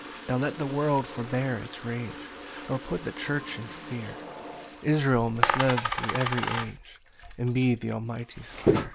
14 Now let the world forbear its rage, Nor put the church in fear; Israel must live thro' every age, And be th' Almighty's care.